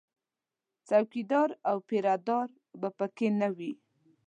څوکیدار او پیره دار به په کې نه وي